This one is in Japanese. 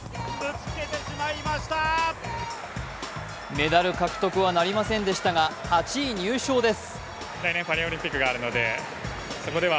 メダル獲得はなりませんでしたが、８位入賞です。